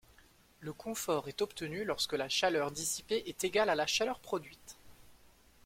Le confort est obtenu lorsque la chaleur dissipée est égale à la chaleur produite.